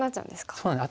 そうなんです